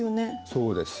そうです。